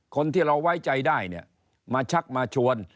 คนที่เราไว้ใจได้เนี่ยมาชักมาชวน